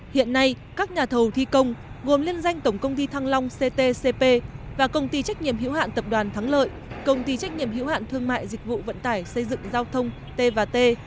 hiện nay các nhà thầu thi công gồm liên danh tổng công ty thăng long ctcp và công ty trách nhiệm hữu hạn tập đoàn thắng lợi công ty trách nhiệm hữu hạn thương mại dịch vụ vận tải xây dựng giao thông t t